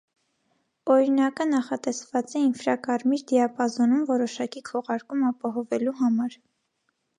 Օրինակը նախատեսված է ինֆրակարմիր դիապազոնում որոշակի քողարկում ապահովելու համար։